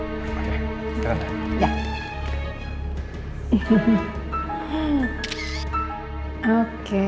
oke kita datang